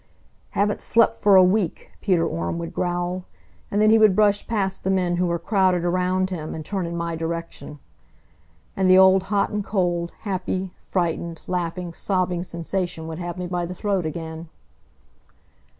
"Haven't slept for a week," Peter Orme would growl, and then he would brush past the men who were crowded around him, and turn in my direction. And the old hot and cold, happy, frightened, laughing, sobbing sensation would have me by the throat again.